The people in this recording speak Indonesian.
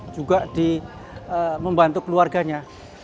juga di membantu keluarganya